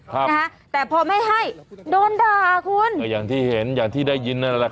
ครับนะฮะแต่พอไม่ให้โดนด่าคุณก็อย่างที่เห็นอย่างที่ได้ยินนั่นแหละ